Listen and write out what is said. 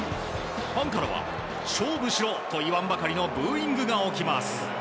ファンからは勝負しろと言わんばかりのブーイングが起きます。